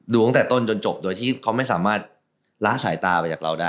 ตั้งแต่ต้นจนจบโดยที่เขาไม่สามารถล้าสายตาไปจากเราได้